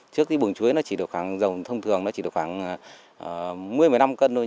trước thì buồng chuối nó chỉ được khoảng dầu thông thường nó chỉ được khoảng một mươi một mươi năm cân thôi